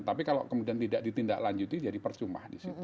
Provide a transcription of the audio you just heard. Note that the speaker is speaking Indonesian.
tapi kalau kemudian tidak ditindaklanjuti jadi percuma